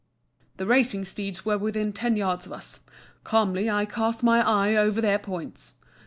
The racing steeds were within ten yards of us. Calmly I cast my eye over their points.